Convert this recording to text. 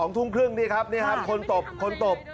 ๒ทุ่งเครื่องนี้ครับคนตบคนตบ